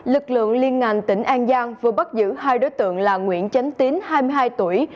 lực lượng liên ngành tỉnh an giang vừa bắt giữ hai đối tượng là nguyễn chánh tín hai mươi hai tuổi